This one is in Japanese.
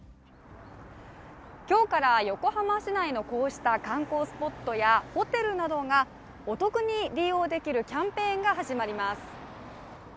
今日から横浜市内のこうした観光スポットやホテルなどがお得に利用できるキャンペーンが始まります。